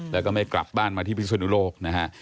แล้วก็ไม่กลับบ้านมาที่พิศนุโลกนะฮะ